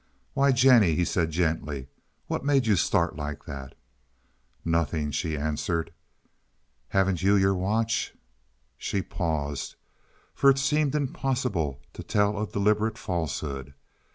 "Why, Jennie," he said gently, "what made you start like that?" "Nothing," she answered. "Haven't you your watch?" She paused, for it seemed impossible to tell a deliberate falsehood.